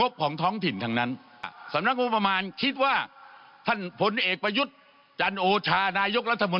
เดี๋ยวฟังนะครับ